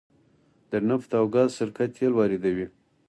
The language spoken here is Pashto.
د نفت او ګاز شرکت تیل واردوي